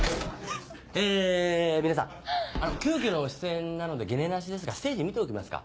え皆さんあの急きょの出演なのでゲネなしですがステージ見ておきますか？